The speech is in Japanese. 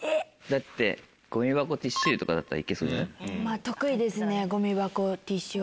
だって「ゴミ箱ティッシュ入れ」とかだったら行けそうじゃない？